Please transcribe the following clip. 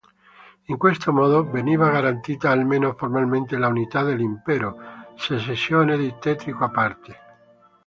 In questo modo veniva garantita, almeno formalmente, l'unità dell'Impero, secessione di Tetrico a parte.